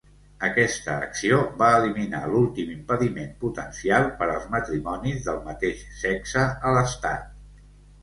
Aquesta acció va eliminar l'últim impediment potencial per als matrimonis del mateix sexe a l'estat.